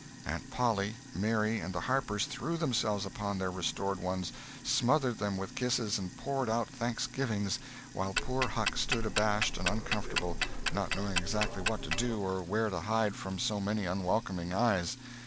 Aunt Polly, Mary, and the Harpers threw themselves upon their restored ones, smothered them with kisses and poured out thanksgivings, while poor Huck stood abashed and uncomfortable, not knowing exactly what to do or where to hide from so many unwelcoming eyes.